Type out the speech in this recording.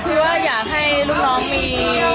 คือว่าอยากให้ลูกน้องมี